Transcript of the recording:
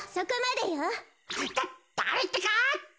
だだれってか？